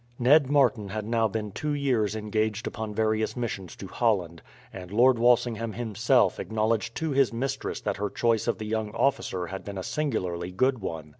Ned Martin had now been two years engaged upon various missions to Holland, and Lord Walsingham himself acknowledged to his mistress that her choice of the young officer had been a singularly good one.